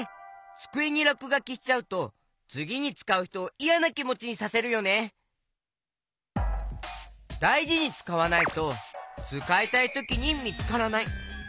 つくえにらくがきしちゃうとつぎにつかうひとをだいじにつかわないとつかいたいときにみつからない。